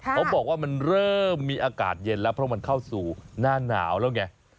เขาบอกว่ามันเริ่มมีอากาศเย็นแล้วเพราะมันเข้าสู่หน้าหนาวแล้วไง